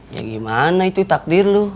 ya gimana itu takdir lu